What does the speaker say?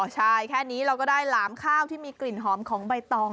ใช่แค่นี้เราก็ได้หลามข้าวที่มีกลิ่นหอมของใบตอง